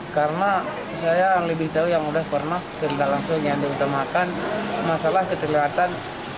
karena saya lebih tahu yang sudah pernah terlalu langsung yang diutamakan masalah keterlihatan